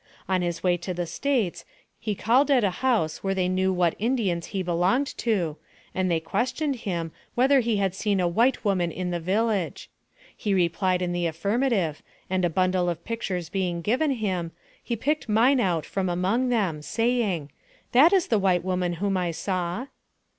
On his way to the States, he called AMONG THE SIOUX INDIANS. 141 at a house where they knew what Indians he belonged to, and they questioned him, whether he had seen a white woman in the village; he replied in the affirma tive, and a bundle of pictures being given him, he picked mine out from among them, saying, " That is the white woman whom I saw."